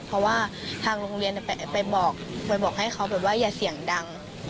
เพราะว่าทางโรงเรียนไปบอกให้เขาอย่าเสี่ยงดัง